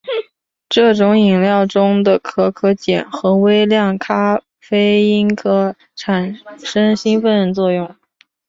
这种饮料中的可可碱和微量咖啡因可产生兴奋作用。